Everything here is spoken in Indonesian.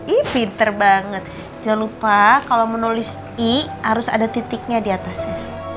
i pinter banget jangan lupa kalau menulis i harus ada titiknya diatasnya